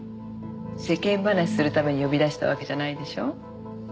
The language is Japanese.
世間話するために呼び出したわけじゃないでしょ？